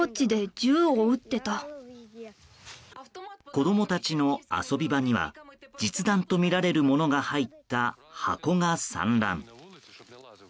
子供たちの遊び場には実弾とみられるものが入った箱が散乱。